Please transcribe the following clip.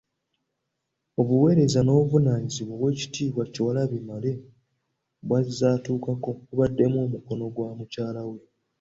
Obuweereza n'obuvunaanyizibwa Oweekitiibwa Kyewalabye Male bw'azze atuukako, bubaddeko omukono gwa mukyala we .